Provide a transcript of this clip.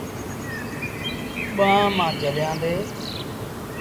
ٻآݩهآݩ مآݩ جھليآݩدي۔